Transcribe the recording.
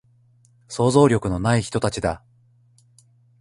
想像力のない人たちだ